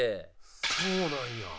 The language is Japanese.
そうなんや。